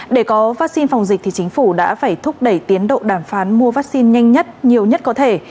để có vắc xin phòng dịch thì chính phủ đã phải thúc đẩy tiến độ đàm phán mua vắc xin nhanh nhất nhiều nhất có thể